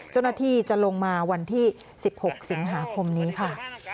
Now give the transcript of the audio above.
เจ้าหน้าที่จะลงมาวันที่๑๖สิงหาคมนี้ค่ะ